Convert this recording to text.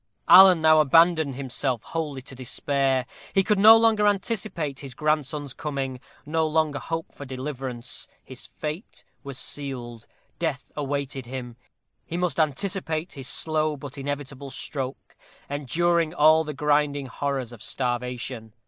Alan now abandoned himself wholly to despair. He could no longer anticipate his grandson's coming, no longer hope for deliverance. His fate was sealed. Death awaited him. He must anticipate his slow but inevitable stroke, enduring all the grinding horrors of starvation.